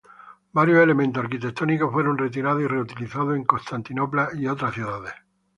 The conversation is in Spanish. Varios elementos arquitectónicos fueron retirados y reutilizados en Constantinopla y otras ciudades.